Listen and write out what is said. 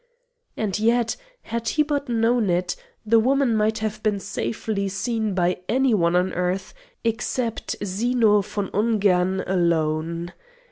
And yet, had he but known it, the woman might have been safely seen by any one on earth except Zeno von Ungern alone.